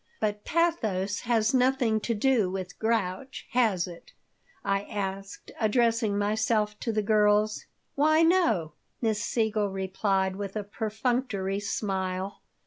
"But pathos has nothing to do with grouch, has it?" I asked, addressing myself to the girls "Why, no," Miss Siegel replied, with a perfunctory smile.